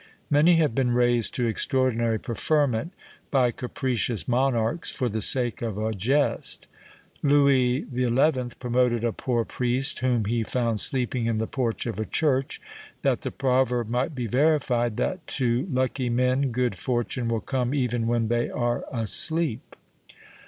Many have been raised to extraordinary preferment by capricious monarchs for the sake of a jest. Lewis XI. promoted a poor priest whom he found sleeping in the porch of a church, that the proverb might be verified, that to lucky men good fortune will come even when they are asleep!